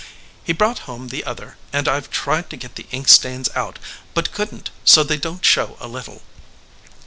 He brought home the other, and I ve tried to get the ink stains out, but couldn t so they don t show a little.